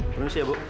permisi ya bu